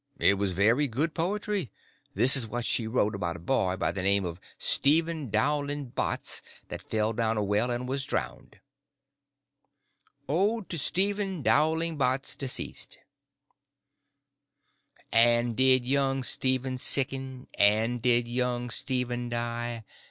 It was very good poetry. This is what she wrote about a boy by the name of Stephen Dowling Bots that fell down a well and was drownded: ODE TO STEPHEN DOWLING BOTS, DEC'D And did young Stephen sicken, And did young Stephen die?